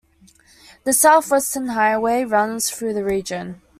The South Western Highway runs through the region.